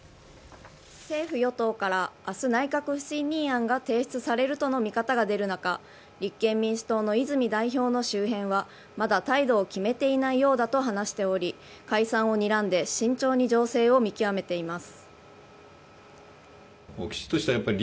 政府・与党から明日内閣不信任案が提出されるとの見方が出る中立憲民主党の泉代表の周辺はまだ態度を決めていないようだと話しており解散をにらんで慎重に情勢を見極めています。